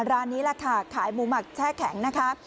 ร้านนี้แหละค่ะขายหมูหมักแช่แข็งนะคะ